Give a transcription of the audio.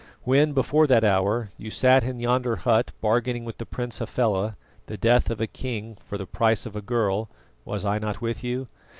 When, before that hour, you sat in yonder hut bargaining with the Prince Hafela the death of a king for the price of a girl was I not with you?